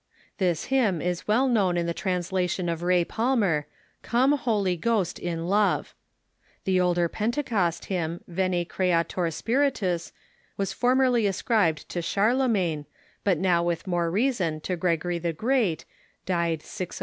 This hymn is well known in the translation of Ray Palmer, " Come, Holy Ghost, in Love." The older Pentecost hymn, "Veni, Creator Spiritus," was formerly ascribed to Charle magne, but now with more reason to Gregory the Great (died 601).